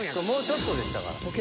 もうちょっとでしたから。